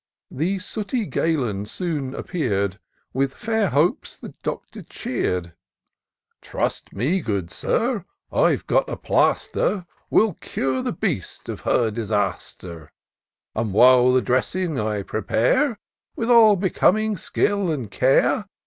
The sooty Galen soon appear*d. And with fair hopes the Doctor cheer'd. " Trust me, good Sir, I've got a plaster. Will cure the beast of her disaster ; And, while the dressing I prepare. With all becoming skill and care.